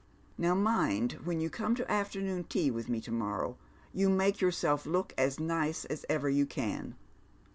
" Now mind when you come to afternoon tea with me to morrow you make yourself look as nice as ever you can."